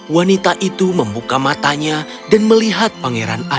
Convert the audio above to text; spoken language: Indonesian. wanita itu membuka matanya dan melihatnya